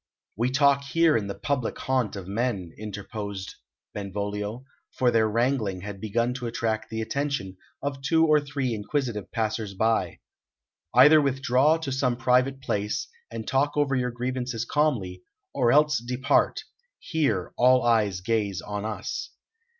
"We talk here in the public haunt of men," interposed Benvolio, for their wrangling had begun to attract the attention of two or three inquisitive passers by. "Either withdraw to some private place, and talk over your grievances calmly, or else depart; here all eyes gaze on us."